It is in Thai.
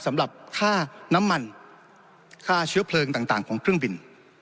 สำหรับค่าน้ำมันค่าเชื้อเพลิงต่างของเครื่องบิน